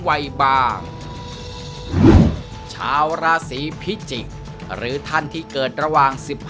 บางชาวราศีพิจิกษ์หรือท่านที่เกิดระหว่าง๑๕